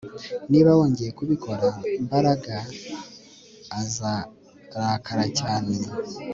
Niba wongeye kubikora Mbaraga azarakara cyane